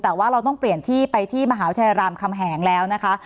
แต่ว่าเราต้องเปลี่ยนที่ไปที่มหาวิทยาลัยรามคำแหงแล้วนะคะ